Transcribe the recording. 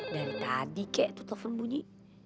dari tadi kayak tuh telepon bunyi